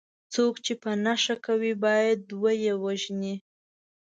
څوک چې په نښه کوي باید وه یې وژني.